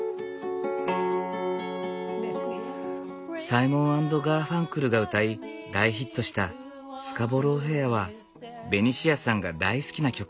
サイモン＆ガーファンクルが歌い大ヒットした「スカボロー・フェア」はベニシアさんが大好きな曲。